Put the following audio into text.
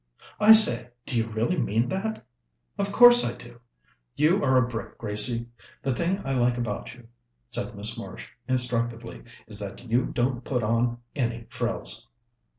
"I say, do you really mean that?" "Of course I do." "You are a brick, Gracie. The thing I like about you," said Miss Marsh instructively, "is that you don't put on any frills."